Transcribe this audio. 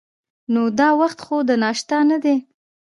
نو دا وخت خو د ناشتا نه دی.